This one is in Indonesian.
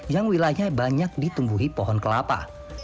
yang wilayahnya banyak ditumbuhi pohon kelapa